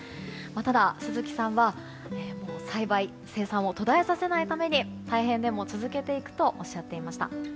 ただ、鈴木さんは栽培・生産を途絶えさせないために大変でも続けていくとおっしゃっていました。